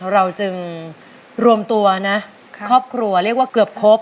เราจึงรวมตัวนะครอบครัวเรียกว่าเกือบครบ